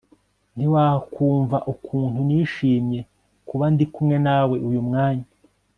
ntiwakumva ukuntu nishimye kuba ndikumwe nawe uyu mwanya